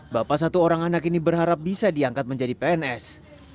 bapak satu orang anak ini berharap bisa diangkat menjadi pns